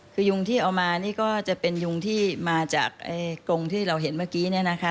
คือยุงที่เอามานี่ก็จะเป็นยุงที่มาจากกงที่เราเห็นเมื่อกี้เนี่ยนะคะ